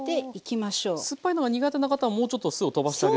酸っぱいのが苦手な方はもうちょっと酢をとばしてあげる。